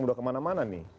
sudah kemana mana nih